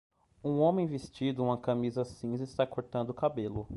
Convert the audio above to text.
Um homem vestindo uma camisa cinza está cortando o cabelo.